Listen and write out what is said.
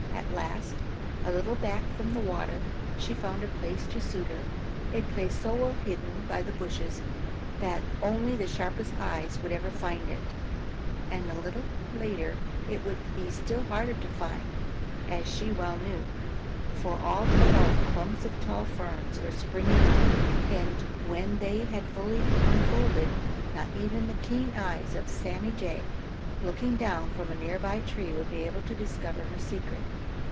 At last, a little back from the water, she found a place to suit her, a place so well hidden by bushes that only the sharpest eyes ever would find it. And a little later it would be still harder to find, as she well knew, for all about clumps of tall ferns were springing up, and when they had fully unfolded, not even the keen eyes of Sammy Jay looking down from a near by tree would be able to discover her secret.